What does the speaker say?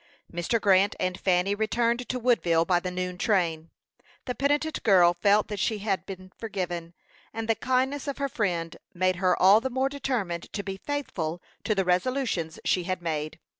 Mr. Grant and Fanny returned to Woodville by the noon train. The penitent girl felt that she had been forgiven, and the kindness of her friend made her all the more determined to be faithful to the resolutions she had made.